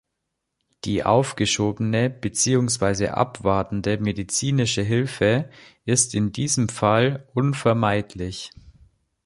Die aufgeschobene beziehungsweise abwartende medizinische Hilfe ist in diesem Fall unvermeidlich.